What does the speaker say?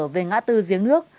về ngã tư giếng nước